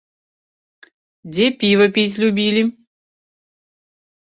Дзе піва піць любілі?